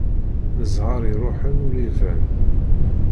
Ẓẓher iruḥen ur iban.